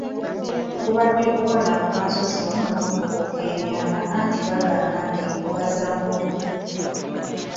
Kubadde kuwalampa nsozi wamu n’okubuuka emyala anti nga bwe bagamba nti ‘ Nkobazambogo’.